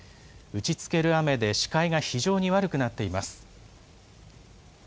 打ちつける雨で視界が非常に悪くなっています。